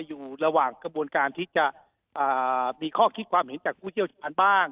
อยู่ระหว่างกระบวนการที่จะมีข้อคิดความเห็นจากผู้เชี่ยวชาญบ้าง